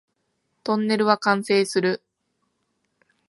トンネルは完成する